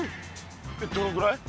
どのぐらい？